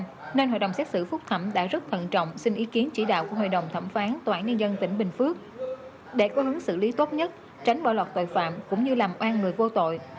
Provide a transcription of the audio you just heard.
tnnd tỉnh bình phước đã rất thận trọng xin ý kiến chỉ đạo của hội đồng thẩm phán tnnd tỉnh bình phước để có hướng xử lý tốt nhất tránh bỏ lọt tội phạm cũng như làm oan người vô tội